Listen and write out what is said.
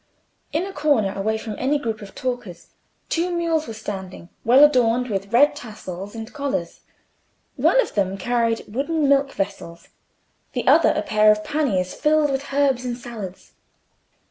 In a corner, away from any group of talkers, two mules were standing, well adorned with red tassels and collars. One of them carried wooden milk vessels, the other a pair of panniers filled with herbs and salads.